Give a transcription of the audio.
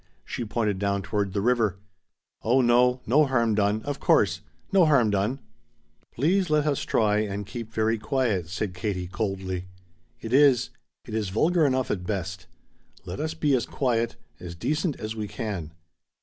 She pointed down toward the river. "Oh no, no harm done, of course No harm done " "Please let us try and keep very quiet," said Katie coldly. "It is it is vulgar enough at best. Let us be as quiet as decent as we can."